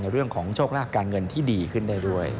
เรื่องของโชคลาภการเงินที่ดีขึ้นได้ด้วย